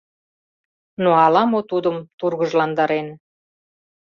Но ала-мо тудым тургыжландарен.